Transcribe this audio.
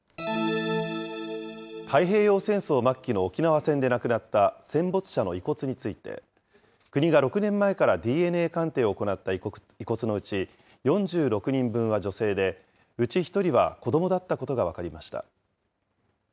太平洋戦争末期の沖縄戦で亡くなった戦没者の遺骨について、国が６年前からＤＮＡ鑑定を行った遺骨のうち、４６人分は女性で、うち１人は子どもだったことが分かりました。